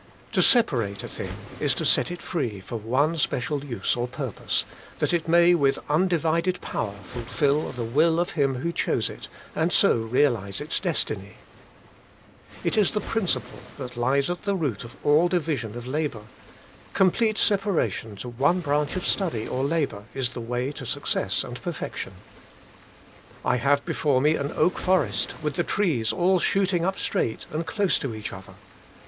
To separate a thing is to set it free for one special use or purpose, that it may with undivided power fulfil the will of him who chose it, and so realize its destiny. It is the prin HOLINESS AND SEPARATION. U3 cipie that lies at the root of all division of labour ; complete separation to one branch of study or labour is the way to success and perfection. I have before me an oak forest with the trees all shooting up straight and close to each other.